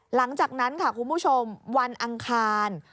หลังจากนั้นค่ะคุณผู้ชมวันอังคาร